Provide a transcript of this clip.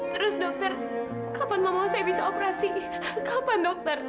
terus dokter kapan mama saya bisa operasi kapan dokter